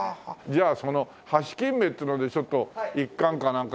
じゃあそのハシキンメっていうのでちょっと１貫かなんか。